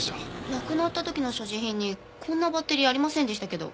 亡くなった時の所持品にこんなバッテリーありませんでしたけど。